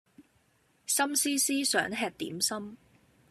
心思思想吃點心